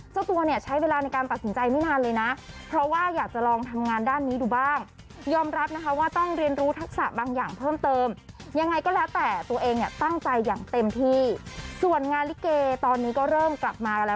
เจ้าตัวเนี่ยใช้เวลาในการปัศนิจใจไม่นานเลยนะ